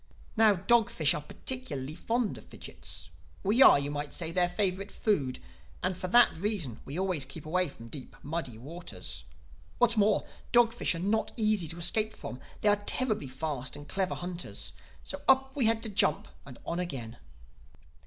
"Now dog fish are particularly fond of fidgits. We are, you might say, their favorite food—and for that reason we always keep away from deep, muddy waters. What's more, dog fish are not easy to escape from; they are terribly fast and clever hunters. So up we had to jump and on again.